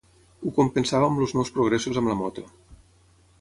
Ho compensava amb els meus progressos amb la moto.